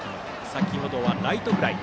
先ほどはライトフライ。